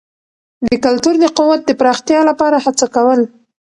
د کلتور د قوت د پراختیا لپاره هڅه کول.